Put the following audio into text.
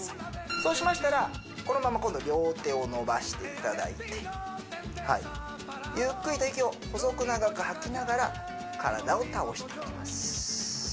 そうしましたらこのまま今度両手を伸ばしていただいてはいゆっくりと息を細く長く吐きながら体を倒していきます